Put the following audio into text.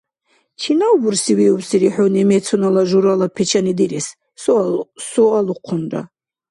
Чинав бурсивиубсири хӀу немецунала журала печани дирес? — суалухъунра.